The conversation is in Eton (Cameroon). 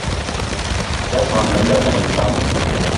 Yas ma menda mayi pam